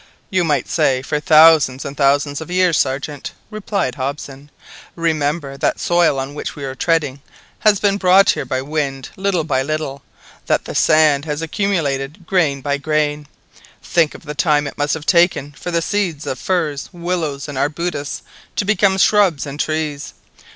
"You might say for thousands and thousands of years, Sergeant," replied Hobson. "Remember that the soil on which we are treading has been brought here by the wind, little by little, that the sand has accumulated grain by grain! Think of the time it must have taken for the seeds of firs, willows, and arbutus to become shrubs and trees!